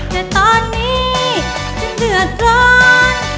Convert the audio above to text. แต่ตอนนี้ฉันเดือดร้อน